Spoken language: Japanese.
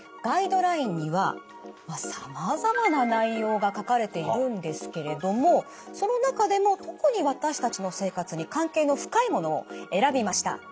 ガイドラインにはさまざま内容が書かれているんですけれどもその中でも特に私たちの生活に関係の深いものを選びました。